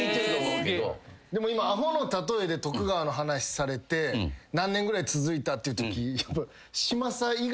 でも今アホの例えで徳川の話されて何年ぐらい続いた？っていうとき。